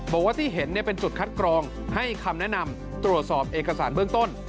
บอกว่าที่เห็นเป็นจุดคัดกรองให้คำแนะนำตรวจสอบเอกสารเบื้องต้น